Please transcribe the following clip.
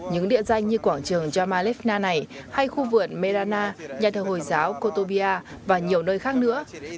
những địa danh như quảng trường jamalefna này hay khu vườn merana nhà thờ hồi giáo kotobia và nhiều nơi khác nữa